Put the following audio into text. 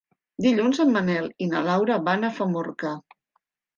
Dilluns en Manel i na Laura van a Famorca.